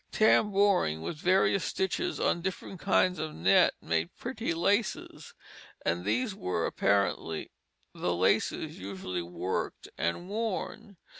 Tambouring with various stitches on different kinds of net made pretty laces; and these were apparently the laces usually worked and worn.